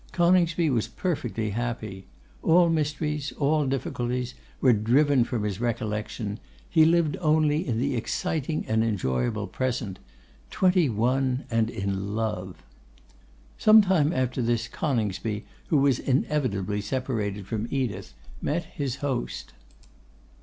Coningsby was perfectly happy. All mysteries, all difficulties, were driven from his recollection; he lived only in the exciting and enjoyable present. Twenty one and in love! Some time after this, Coningsby, who was inevitably separated from Edith, met his host.